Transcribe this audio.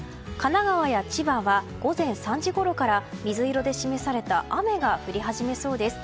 神奈川や千葉は午前３時ごろから水色で示された雨が降り始めそうです。